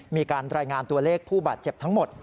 มีการรายงานตัวเลขผู้บาดเจ็บทั้งหมด